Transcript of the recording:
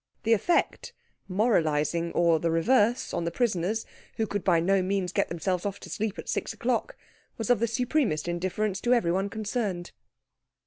The effect, moralising or the reverse, on the prisoners, who could by no means get themselves off to sleep at six o'clock, was of the supremest indifference to everyone concerned.